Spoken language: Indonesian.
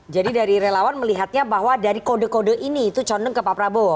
jadi dari relawan melihatnya bahwa dari kode kode ini itu condong ke pak prabowo